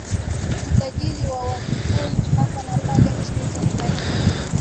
msajili na wakufunzi hapa na pale nchini tanzania